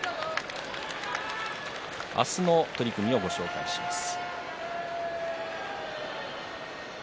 明日の取組をご紹介します。